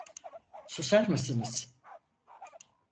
Susar mısınız?